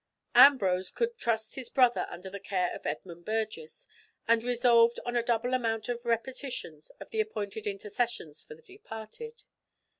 Ambrose could trust his brother under the care of Edmund Burgess, and resolved on a double amount of repetitions of the appointed intercessions for the departed.